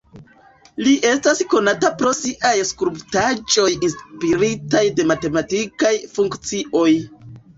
Li estas konata pro siaj skulptaĵoj inspiritaj de matematikaj funkcioj.